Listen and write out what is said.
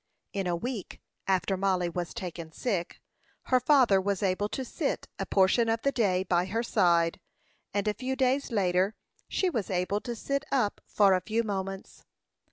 In a week after Mollie was taken sick, her father was able to sit a portion of the day by her side; and a few days later, she was able to sit up for a few moments.